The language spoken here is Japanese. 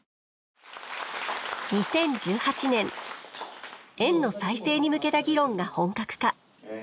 ２０１８年園の再生に向けた議論が本格化。